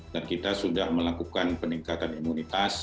dan kita sudah melakukan peningkatan imunitas